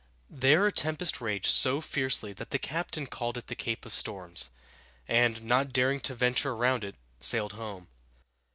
There a tempest raged so fiercely that the captain called it the Cape of Storms, and, not daring to venture around it, sailed home.